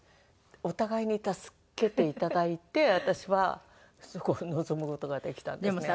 お互いに助けていただいて私はそこに臨む事ができたんですね。